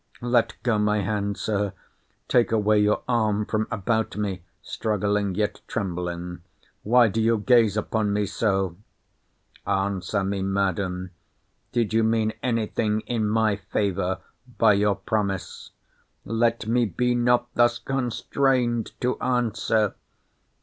Let go my hand, Sir—Take away your arm from about me, [struggling, yet trembling,]—Why do you gaze upon me so? Answer me, Madam—Did you mean any thing in my favour by your promise? Let me be not thus constrained to answer.